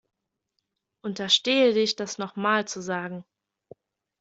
Unterstehe dich das nochmal zu sagen.